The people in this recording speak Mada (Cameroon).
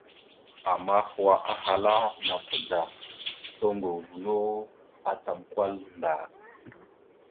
Ama hwa ahala naka da, toŋgov no atam kwal ndar.